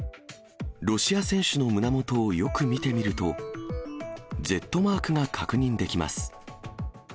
ロシア選手の胸元をよく見てみると、Ｚマークが確認できます。